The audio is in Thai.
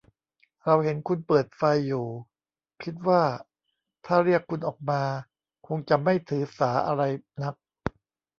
เราเห็นคุณเปิดไฟอยู่ คิดว่าถ้าเรียกคุณออกมาคงจะไม่ถือสาอะไรนัก